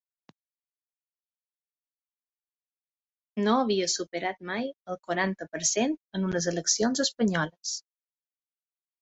No havia superat mai el quaranta per cent en unes eleccions espanyoles.